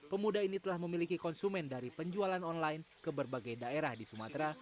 pemuda ini telah memiliki konsumen dari penjualan online ke berbagai daerah di sumatera